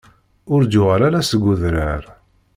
Ur d-yuɣal ara seg udrar.